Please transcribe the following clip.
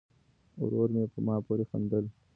ورور مې په ما پورې خندل.